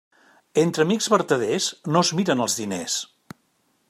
Entre amics vertaders no es miren els diners.